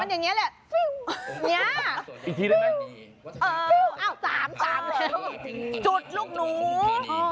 มันอย่างเนี้ยแหละเนี้ยอีกทีได้ไหมเออเอ้าสามสามเร็วจุดลูกหนูอ๋อ